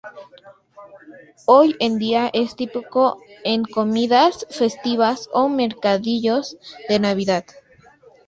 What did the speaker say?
Hoy en día es típico en comidas festivas o mercadillos de Navidad.